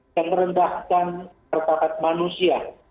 yang merendahkan ketakat manusia